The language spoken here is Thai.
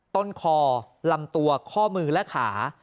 ต้นคอลำตัวข้อมือและขา